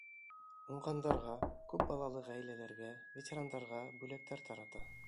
Уңғандарға, күп балалы ғаиләләргә, ветерандарға бүләктәр тарата.